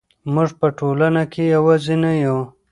موږ په ټولنه کې یوازې نه یو.